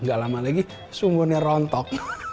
gak lama lagi sumurnya rontok